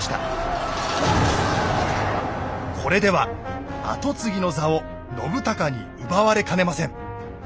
これでは跡継ぎの座を信孝に奪われかねません。